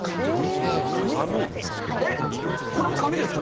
えっこれも紙ですか？